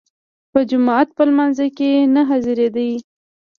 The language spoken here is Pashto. په جماعت په لمانځه کې نه حاضرېدی.